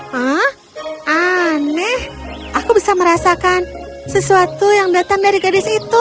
hah aneh aku bisa merasakan sesuatu yang datang dari gadis itu